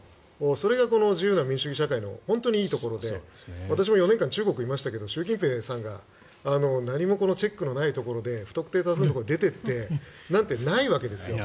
それがこの自由な民主主義社会のいいところで私も４年間、中国にいましたが習近平さんがなにもチェックのないところで不特定多数のところに出ていってなんてないわけですよ。